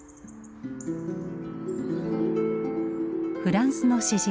フランスの詩人